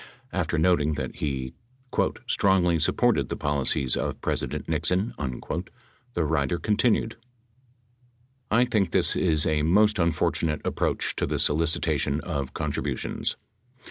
After noting that he "strongly supported the policies of President Nixon," the writer continued : I think this is a most unfortunate approach to the solicita tion of contributions.